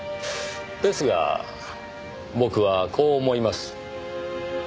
ですが僕はこう思います。